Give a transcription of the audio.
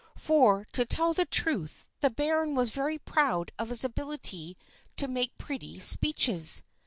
For, to tell the truth, the baron was very proud of his ability to make pretty speeches.